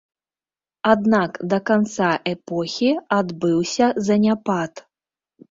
Аднак да канца эпохі адбыўся заняпад.